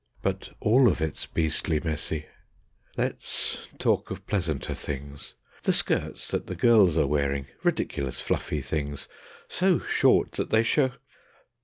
But all of it's beastly messy; let's talk of pleasanter things: The skirts that the girls are wearing, ridiculous fluffy things, So short that they show.